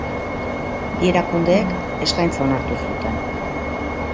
Bi erakundeek eskaintza onartu zuten.